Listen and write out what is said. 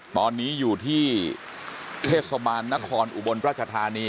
ตอนนี้อยู่ที่เทศสมานนครอุบลประชาธารณี